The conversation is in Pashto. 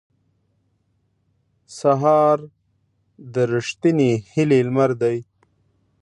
سهار د رښتینې هیلې لمر دی.